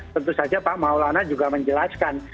tentu saja pak maulana juga menjelaskan